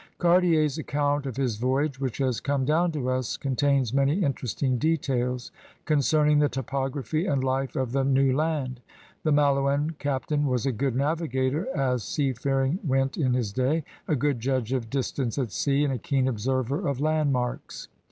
Cartier's account of his voyage which has come down to us contains many interesting details concerning the topography and life of the new land. The Malouin captain was a good navigator as seafaring went in his day, a good judge of dis tance at sea, and a keen observer of landmarks.